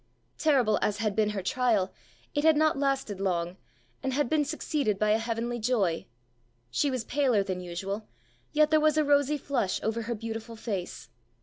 Terrible as had been her trial, it had not lasted long, and had been succeeded by a heavenly joy. She was paler than usual, yet there was a rosy flush over her beautiful face.